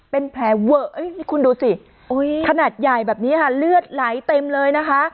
เป็นแผลเวอะคุณดูสิขนาดใหญ่แบบนี้ค่ะเลือดไหลเต็มเลยนะคะ